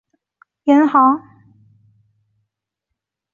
目前设于此建筑的是意大利西雅那银行。